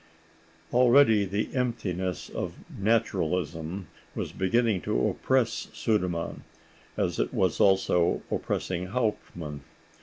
Already the emptiness of naturalism was beginning to oppress Sudermann, as it was also oppressing Hauptmann.